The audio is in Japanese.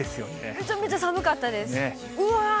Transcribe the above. めちゃめちゃ寒かったです。